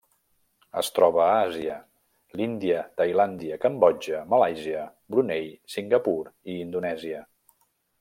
Es troba a Àsia: l'Índia, Tailàndia, Cambodja, Malàisia, Brunei, Singapur i Indonèsia.